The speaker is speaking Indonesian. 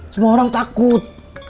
semua orang takut